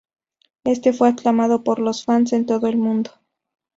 Éste fue aclamado por los fans en todo el mundo.